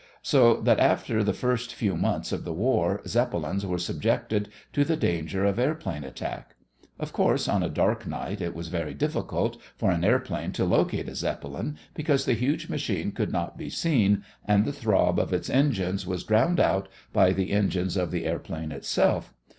So that after the first few months of the war Zeppelins were subjected to the danger of airplane attack. Of course, on a dark night it was very difficult for an airplane to locate a Zeppelin, because the huge machine could not be seen and the throb of its engines was drowned out by the engines of the airplane itself.